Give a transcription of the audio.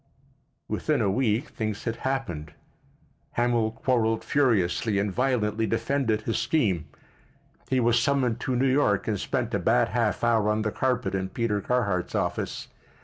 Within a week things had happened. Hamil quarrelled furiously and violently defended his scheme. He was summoned to New York and spent a bad half hour on the carpet in Peter Carhart's office.